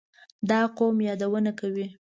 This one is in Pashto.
دې قوم یادونه کوي.